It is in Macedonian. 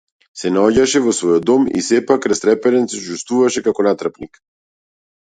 Се наоѓаше во својот дом и сепак, растреперен, се чувствуваше како натрапник.